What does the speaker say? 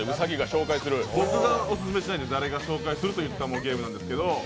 僕がオススメしないで誰が紹介するというものなんですけど。